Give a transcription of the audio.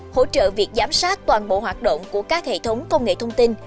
hỗ trợ việc giám sát toàn bộ hoạt động của các hệ thống công nghệ thông tin